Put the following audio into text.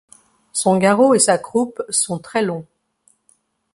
Son garrot et sa croupe sont très longs.